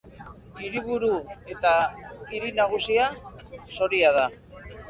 Hiriburu eta hiri nagusia Soria da.